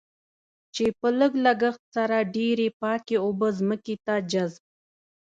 چې په لږ لګښت سره ډېرې پاکې اوبه ځمکې ته جذب.